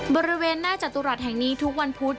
บริเวณหน้าจตุรัสแห่งนี้ทุกวันพุธ